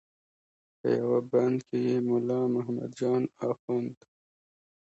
په یوه بند کې یې ملا محمد جان اخوند.